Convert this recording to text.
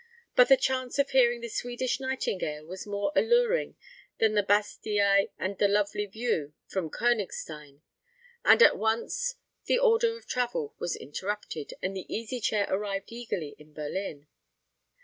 But the chance of hearing the Swedish Nightingale was more alluring than the Bastei and the lovely view from Konigstein, and at once the order of travel was interrupted, and the Easy Chair arrived eagerly in Berlin.